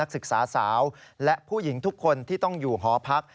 ศึกษาสาวและผู้หญิงทุกคนที่ต้องอยู่หอพัก